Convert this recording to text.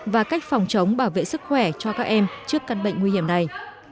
và cách phòng chống bảo vệ sức khỏe cho các em trước căn bệnh nguy hiểm này